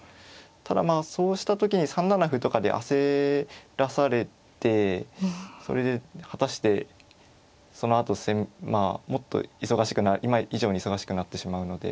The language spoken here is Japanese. ただまあそうした時に３七歩とかで焦らされてそれで果たしてそのあとまあもっと今以上に忙しくなってしまうので。